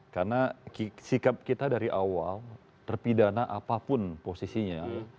karena sikap kita dari awal terpidana apapun posisinya